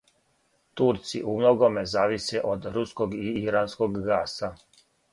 Турци умногоме зависе од руског и иранског гаса.